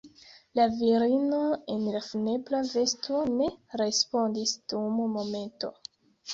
La virino en la funebra vesto ne respondis dum momento.